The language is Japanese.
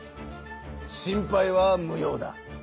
心配はむ用だ。